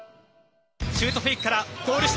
シュートフェイクからゴール下。